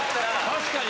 確かに。